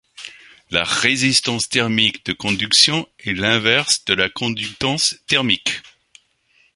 La résistance thermique de conduction est l'inverse de la conductance thermique.